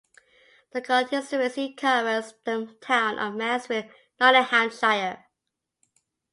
The constituency covers the town of Mansfield, Nottinghamshire.